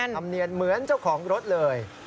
ธรรมเนียนเหมือนเจ้าของรถเลย